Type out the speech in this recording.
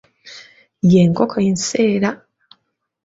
Ye nkoko enseera.